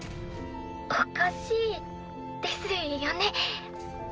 おかしいですよね。